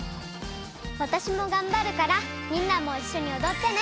わたしもがんばるからみんなもいっしょにおどってね！